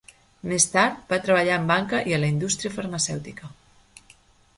Més tard va treballar en banca i a la indústria farmacèutica.